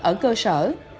ở cơ sở